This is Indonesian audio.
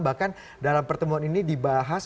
bahkan dalam pertemuan ini dibahas